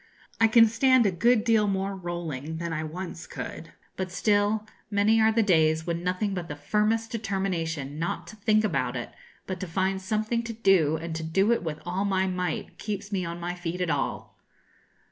I can stand a good deal more rolling than I once could; but still, many are the days when nothing but the firmest determination not to think about it, but to find something to do, and to do it with all my might, keeps me on my feet at all.